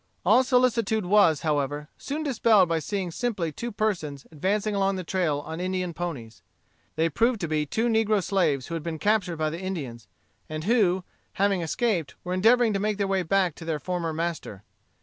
All solicitude was, however, soon dispelled by seeing simply two persons advancing along the trail on Indian ponies. They proved to be two negro slaves who had been captured by the Indians, and who, having escaped, were endeavoring to make their way back to their former master.